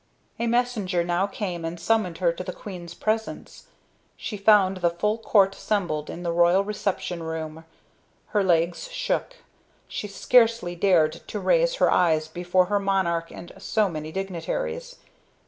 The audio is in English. A messenger now came and summoned her to the queen's presence. She found the full court assembled in the royal reception room. Her legs shook, she scarcely dared to raise her eyes before her monarch and so many dignitaries.